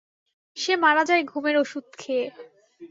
সে মারা যায় ঘুমের অষুধ খেয়ে।